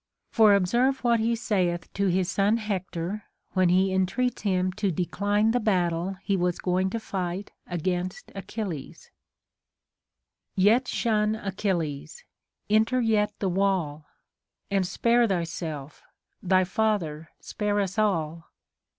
For observe what he saith to his son Hector, when he entreats him to decline the battle he was going to fight against Achilles :— Yet shun Achilles ! enter yet the wall ; And spare thyself, thy father, spare us all